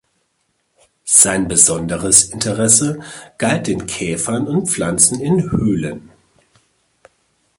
Sein besonderes Interesse galt den Käfern und Pflanzen in Höhlen.